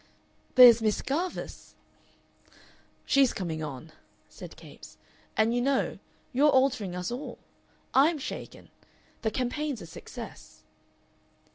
"There's Miss Garvice." "She's coming on," said Capes. "And, you know, you're altering us all. I'M shaken. The campaign's a success."